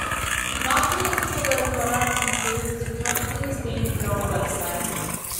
Marketing for the product includes the company's BeingGirl website.